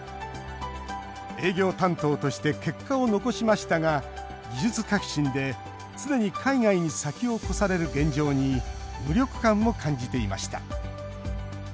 営業担当として結果を残しましたが技術革新で常に海外に先を越される現状に無力感も感じていました。